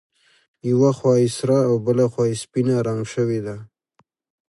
یوه خوا یې سره او بله خوا یې سپینه رنګ شوې ده.